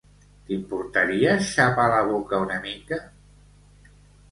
T'importaria xapar la boca una mica?